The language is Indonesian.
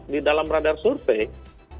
di dalam radar survei